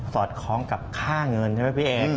อดคล้องกับค่าเงินใช่ไหมพี่เอก